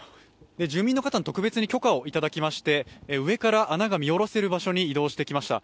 住民の方に特別に許可をいただきまして上から穴が見下ろせる場所に移動してきました。